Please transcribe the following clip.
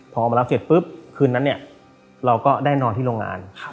พอมารับเสร็จปุ๊บคืนนั้นเนี่ยเราก็ได้นอนที่โรงงาน